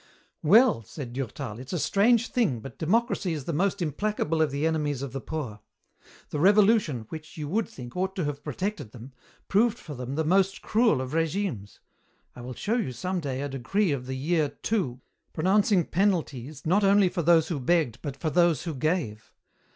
"Well," said Durtal, "it's a strange thing, but democracy is the most implacable of the enemies of the poor. The Revolution, which, you would think, ought to have protected them, proved for them the most cruel of régimes. I will show you some day a decree of the Year II, pronouncing penalties not only for those who begged but for those who gave."